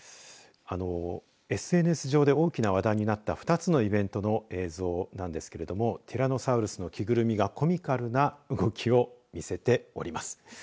ＳＮＳ上で大きな話題になった２つのイベントの映像なんですがティラノサウルスの着ぐるみがコミカルな動きを見せております。